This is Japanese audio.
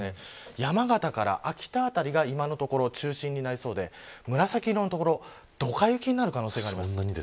山形から秋田あたりが今のところ中心になりそうで紫色の所どか雪になる可能性があります。